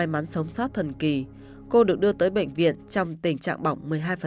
trong tình hình sống sát thần kỳ cô được đưa tới bệnh viện trong tình trạng bỏng một mươi hai